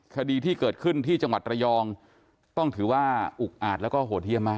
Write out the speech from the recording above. คดีที่เกิดขึ้นที่จังหวัดระยองต้องถือว่าอุกอาจแล้วก็โหดเยี่ยมมาก